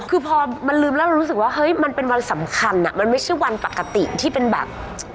คือพอมันลืมแล้วเรารู้สึกว่าเฮ้ยมันเป็นวันสำคัญมันไม่ใช่วันปกติที่เป็นแบบ